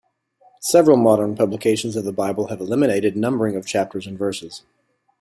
Several modern publications of the Bible have eliminated numbering of chapters and verses.